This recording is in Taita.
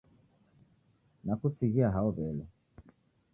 Nakusighia hao wele